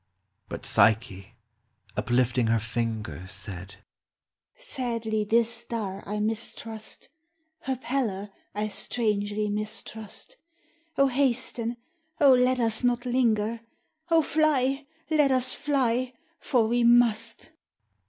But Psyche, uplifting her finger, Said —" Sadly this star I mistrust, Her pallor I strangely mistrust : Oh, hasten !— oh, let us not linger ! Oh, fly !— let us fly !— for we must."